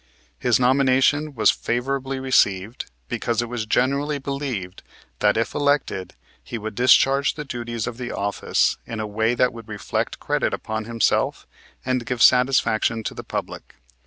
His nomination was favorably received, because it was generally believed that, if elected, he would discharge the duties of the office in a way that would reflect credit upon himself and give satisfaction to the public.